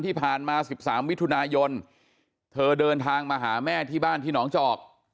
ที่ผ่านมา๑๓มิถุนายนเธอเดินทางมาหาแม่ที่บ้านที่หนองจอก